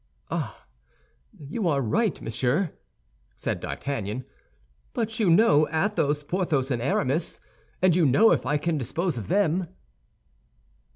"Ah, you are right, monsieur," said D'Artagnan; "but you know Athos, Porthos, and Aramis, and you know if I can dispose of them."